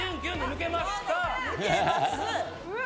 抜けます。